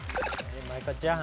舞香ちゃん。